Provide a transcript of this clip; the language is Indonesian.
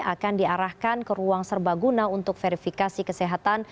akan diarahkan ke ruang serbaguna untuk verifikasi kesehatan